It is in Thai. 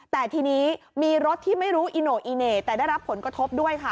แต่ทีนี้มีรถที่ไม่รู้อีโน่อีเหน่แต่ได้รับผลกระทบด้วยค่ะ